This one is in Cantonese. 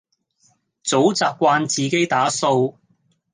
早習慣自己打掃